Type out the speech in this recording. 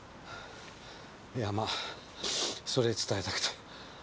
いやまぁそれ伝えたくて。